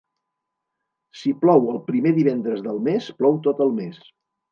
Si plou el primer divendres del mes, plou tot el mes.